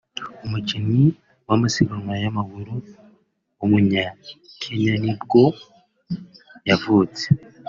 umukinnyi w’amasiganwa y’amaguru w’umunyakenya ni bwo yavutse